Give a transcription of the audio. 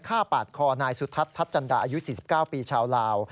ปาดคอนายสุทัศน์ทัศจันดาอายุ๔๙ปีชาวลาว